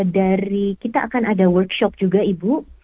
dari kita akan ada workshop juga ibu